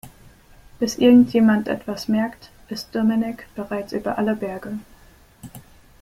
Bis irgendjemand etwas merkt, ist Dominik bereits über alle Berge.